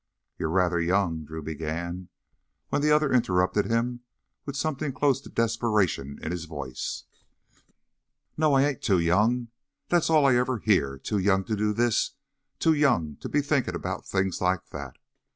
"You're rather young " Drew began, when the other interrupted him with something close to desperation in his voice. "No, I ain't too young! That's all I ever hear too young to do this, too young to be thinkin' about things like that!